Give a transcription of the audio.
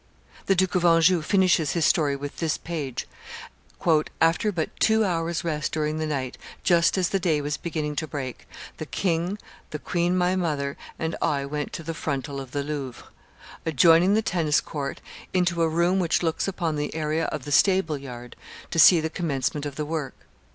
The Duke of Anjou finishes his story with this page "After but two hours' rest during the night, just as the day was beginning to break, the king, the queen my mother, and I went to the frontal of the Louvre, adjoining the tennis court, into a room which looks upon the area of the stable yard, to see the commencement of the work.